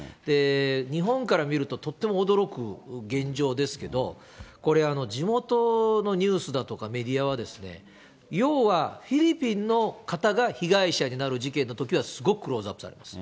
日本から見ると、とっても驚く現状ですけど、これ、地元のニュースだとかメディアは、要はフィリピンの方が被害者になる事件のときは、すごくクローズアップされます。